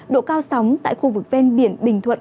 độ cao sóng tại khu vực ven biển bình thuận